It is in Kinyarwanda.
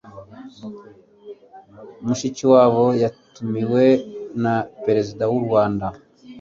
Mushikiwabo yatumiwe na Perezida w'u Rwanda